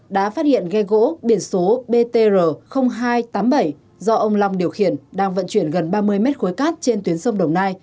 đã phát hiện ghe gỗ biển số btr hai trăm tám mươi bảy do ông long điều khiển đang vận chuyển gần ba mươi mét khối cát trên tuyến sông đồng nai